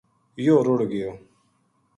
یوہ رُڑ گیو